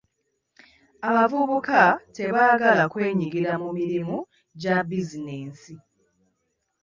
Abavubuka tebaagala kwenyigira mu mirimu gya bizinensi.